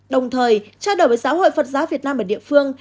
đồng thời trao đổi với giáo hội phật giáo việt nam ở địa phương